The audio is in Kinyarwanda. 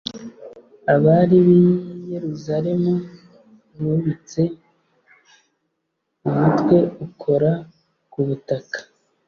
Abari b’i Yeruzalemu bubitse umutwe ukora ku butaka.